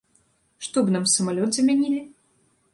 Што б нам, самалёт замянілі?